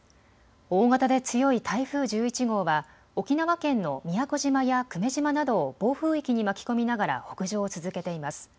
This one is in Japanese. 大型で強い台風１１号は沖縄県の宮古島や久米島などを暴風域に巻き込みながら北上を続けています。